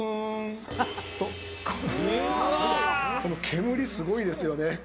この煙、すごいですよね。